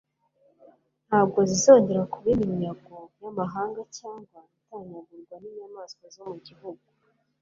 "Ntabwo zizongera kuba iminyago y'amahanga cyangwa gutanyagurwa n'inyamaswa zo mu gihugu,